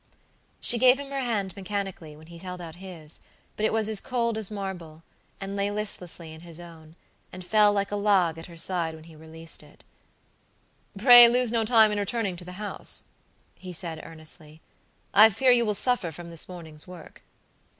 She gave him her hand mechanically, when he held out his; but it was cold as marble, and lay listlessly in his own, and fell like a log at her side when he released it. "Pray lose no time in returning to the house," he said earnestly. "I fear you will suffer from this morning's work."